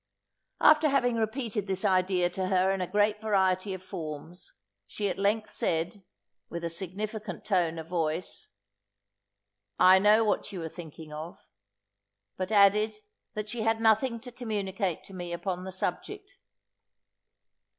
After having repeated this idea to her in a great variety of forms, she at length said, with a significant tone of voice, "I know what you are thinking of," but added, that she had nothing to communicate to me upon the subject.